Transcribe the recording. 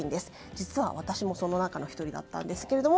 実は私もその中の１人だったんですけれども。